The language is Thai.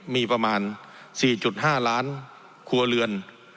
มีประมาณ๔๕ล้านครัวเรือน